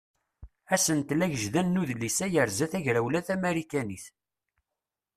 Asentel agejdan n udlis-a yerza tagrawla tamarikanit.